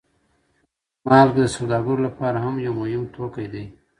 مالګه د سوداګرو لپاره هم یو مهم توکی دی.